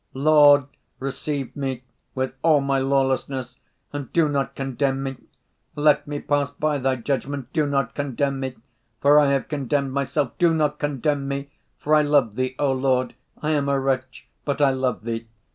"Lord, receive me, with all my lawlessness, and do not condemn me. Let me pass by Thy judgment ... do not condemn me, for I have condemned myself, do not condemn me, for I love Thee, O Lord. I am a wretch, but I love Thee.